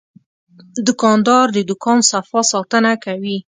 دوکاندار د دوکان صفا ساتنه کوي.